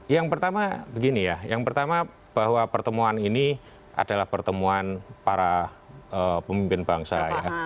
yang pertama begini ya yang pertama bahwa pertemuan ini adalah pertemuan para pemimpin bangsa